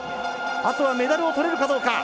あとはメダルをとれるかどうか。